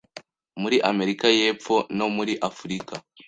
muri Amerika y'Epfo no muri Afurika